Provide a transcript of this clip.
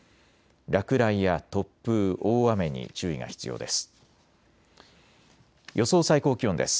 落雷や突風、大雨に注意が必要です。